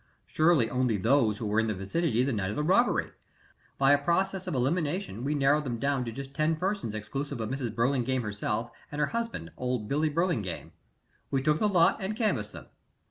Surely only those who were in the vicinity the night of the robbery. By a process of elimination we narrowed them down to just ten persons exclusive of Mrs. Burlingame herself and her husband, old Billie Burlingame. We took the lot and canvassed them.